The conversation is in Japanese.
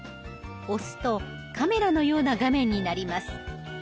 押すとカメラのような画面になります。